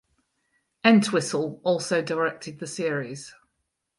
Entwistle also directed the series.